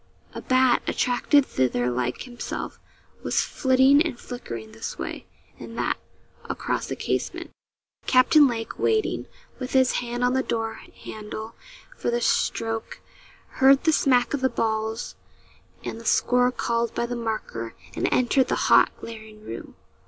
A bat, attracted thither like himself, was flitting and flickering, this way and that, across the casement. Captain Lake, waiting, with his hand on the door handle, for the stroke, heard the smack of the balls, and the score called by the marker, and entered the hot, glaring room.